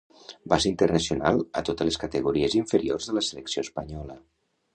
Va ser internacional a totes les categories inferiors de la selecció espanyola.